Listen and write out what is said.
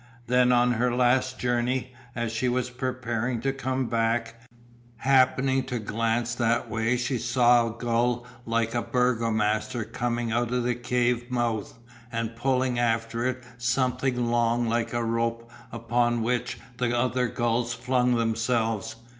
Then, on her last journey, as she was preparing to come back, happening to glance that way she saw a gull like a Burgomaster coming out of the cave mouth and pulling after it something long like a rope upon which the other gulls flung themselves.